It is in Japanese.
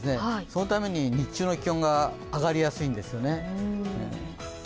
そのために日中の気温が上がりやすいんですよね。